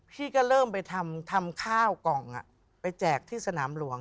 พี่ก็เริ่มไปทำข้าวกล่องไปแจกที่สนามหลวง